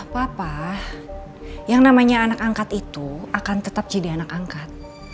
apa apa yang namanya anak angkat itu akan tetap jadi anak angkat